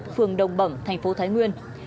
phường đồng bẩm thành phố thái nguyên